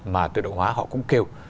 mà tự động hóa họ cũng kêu